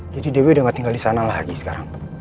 jadi dewi udah gak tinggal disana lagi sekarang